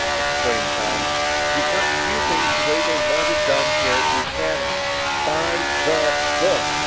exclaimed Tom. "You've got to do things the way they want it done here at the Academy. By the book!